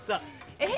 えっ？